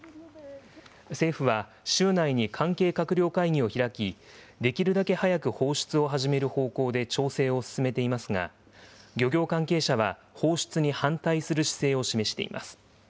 政府は、週内に関係閣僚会議を開き、できるだけ早く放出を始める方向で調整を進めていますが、漁業関係者は放出に反対する姿勢を示しています。